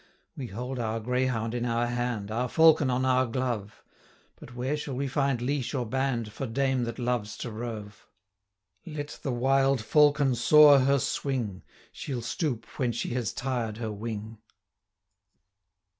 We hold our greyhound in our hand, Our falcon on our glove; But where shall we find leash or band, For dame that loves to rove? 285 Let the wild falcon soar her swing, She'll stoop when she has tired her wing.'